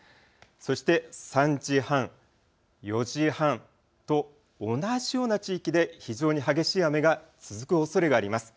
そして３時半、４時半と同じような地域で非常に激しい雨が続くおそれがあります。